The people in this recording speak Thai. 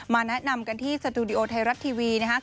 แนะนำกันที่สตูดิโอไทยรัฐทีวีนะครับ